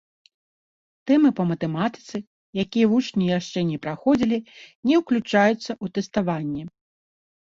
Тэмы па матэматыцы, якія вучні яшчэ не праходзілі, не ўключаюцца ў тэставанне.